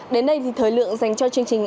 đến đây thì thời lượng dành cho chương trình